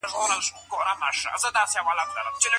ځلبلاند